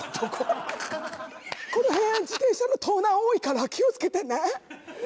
この辺自転車の盗難多いから気をつけてね。